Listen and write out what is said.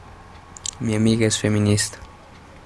Mi amiga es feminista